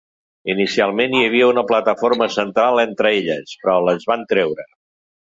Inicialment hi havia una plataforma central entre elles, però les van treure.